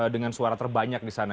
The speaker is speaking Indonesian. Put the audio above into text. dengan suara terbanyak di sana